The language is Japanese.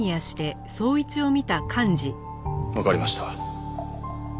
わかりました。